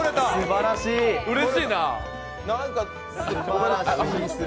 すばらしい。